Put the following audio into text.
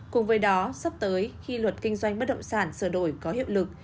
cùng với đó sắp tới khi luật kinh doanh bất động sản sửa đổi có hiệu lực